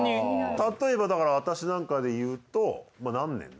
例えばだから私なんかでいうとまあ何年だ？